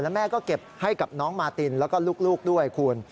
แม่ก็เก็บให้กับน้องมาตินแล้วก็ลูกด้วยคุณ